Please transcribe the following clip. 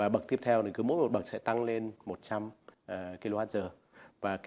bậc tiếp theo mỗi một bậc sẽ tăng lên một trăm linh kwh